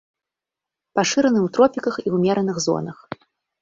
Пашыраны ў тропіках і ўмераных зонах.